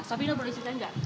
safina boleh disuruhkan nggak